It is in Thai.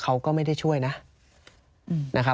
เขาก็ไม่ได้ช่วยนะ